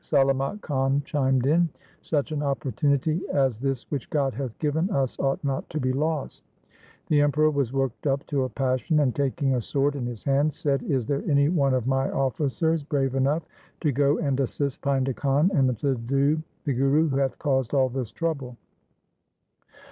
Salamat Khan chimed in. ' Such an opportunity as this which God hath given us ought not to be lost.' The Emperor was worked up to a passion and taking a sword in his hand said, ' Is there any one of my officers brave enough to go and assist Painda Khan, and subdue the Guru who hath caused all this trouble.'